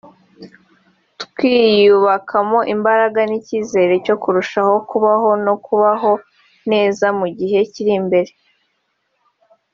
twiyubakamo imbaraga n’icyizere cyo kurushaho kubaho no kubaho neza mu gihe kiri imbere